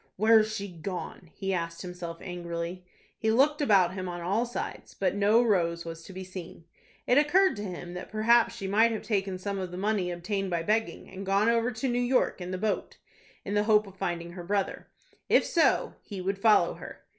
"Where's she gone?" he asked himself, angrily. He looked about him on all sides, but no Rose was to be seen. It occurred to him that perhaps she might have taken some of the money obtained by begging, and gone over to New York in the boat, in the hope of finding her brother. If so, he would follow her.